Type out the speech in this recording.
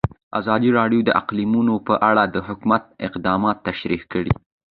ازادي راډیو د اقلیتونه په اړه د حکومت اقدامات تشریح کړي.